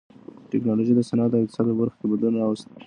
ټکنالوژۍ د صنعت او اقتصاد په برخو کې بدلون راوست.